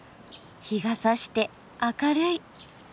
日がさして明るい。